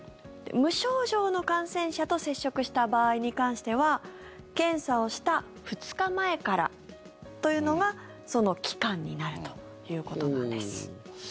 無症状の感染者と接触した場合に関しては検査をした２日前からというのがその期間になるということです。